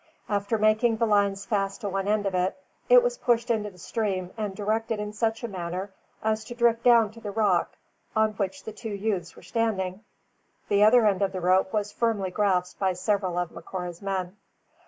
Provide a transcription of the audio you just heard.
After making the lines fast to one end of it, it was pushed into the stream and directed in such a manner as to drift down to the rock on which the two youths were standing. The other end of the rope was firmly grasped by several of Macora's men.